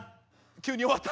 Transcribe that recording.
急に終わった。